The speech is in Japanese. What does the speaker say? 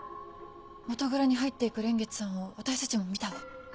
元蔵に入って行く蓮月さんを私たちも見たわ。